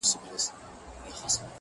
چي ته راځې تر هغو خاندمه’ خدایان خندوم’